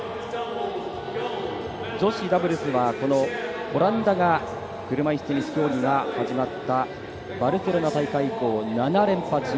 女子ダブルスは、オランダが車いすテニス競技が始まったバルセロナ大会以降、７連覇中。